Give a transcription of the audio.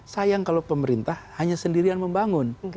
sayang kalau pemerintah hanya sendirian membangun